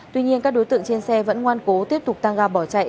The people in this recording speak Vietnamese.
tuy nhiên các đối tượng trên xe vẫn ngoan cố tiếp tục tăng ga bỏ chạy